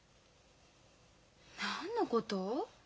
何のこと？